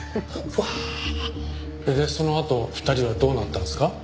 そのあと２人はどうなったんですか？